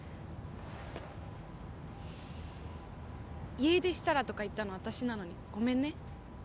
「家出したら」とか言ったの、私なのにごめんね。